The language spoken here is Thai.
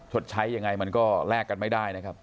ชดใช้ยังไงมันก็แลกกันไม่ได้นะครับ